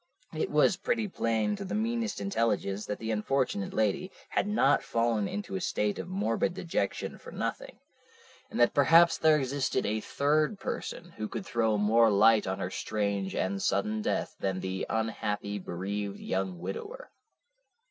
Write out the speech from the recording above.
It was pretty plain to the meanest intelligence that the unfortunate lady had not fallen into a state of morbid dejection for nothing, and that perhaps there existed a third person who could throw more light on her strange and sudden death than the unhappy, bereaved young widower.